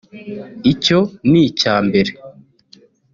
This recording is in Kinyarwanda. icyo n’icya mbere